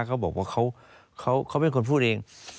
เขาบอกว่าเขาเป็นคนพูดเอง